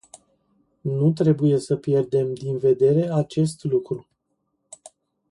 Nu trebuie să pierdem din vedere acest lucru.